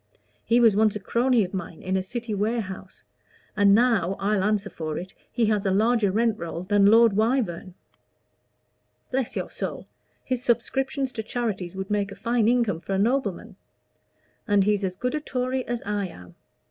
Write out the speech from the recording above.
He was once a crony of mine in a city warehouse; and now, I'll answer for it, he has a larger rent roll than Lord Wyvern. Bless your soul! his subscriptions to charities would make a fine income for a nobleman. And he's as good a Tory as I am.